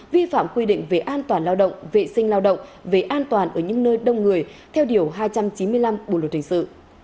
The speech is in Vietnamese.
vi phạm quy định về an toàn lao động vệ sinh lao động về an toàn ở những nơi đông người theo điều hai trăm chín mươi năm bộ luật hình sự